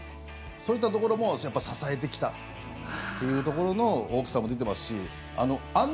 そういったところも支えてきたっていうところの大きさも出てますしあんな